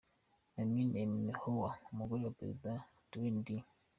Mamie Eisenhower, umugore wa perezida Dwight D.